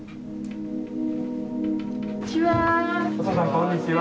こんにちは。